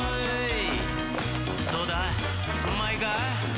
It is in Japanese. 「どうだ？うまいか？」